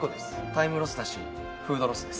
タイムロスだしフードロスです。